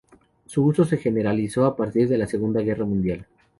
Su uso se generalizó a partir de la Segunda Guerra Mundial.